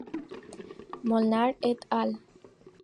Molnar "et al".